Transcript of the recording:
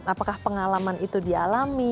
apakah pengalaman itu dialami